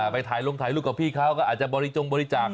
ไปถ่ายลงถ่ายรูปกับพี่เขาก็อาจจะบริจงบริจาค